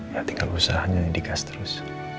ya tinggal usahanya indikas terus